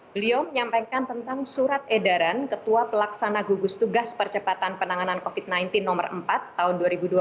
beliau menyampaikan tentang surat edaran ketua pelaksana gugus tugas percepatan penanganan covid sembilan belas no empat tahun dua ribu dua puluh